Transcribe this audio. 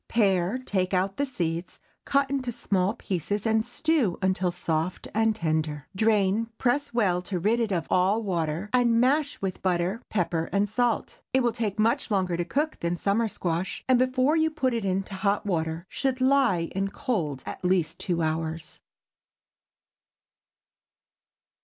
Pare, take out the seeds, cut into small pieces, and stew until soft and tender. Drain, press well, to rid it of all the water, and mash with butter, pepper, and salt. It will take much longer to cook than the summer squash, and before you put it into hot water, should lie in cold at least two hours.